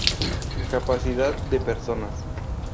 Capacidad de personas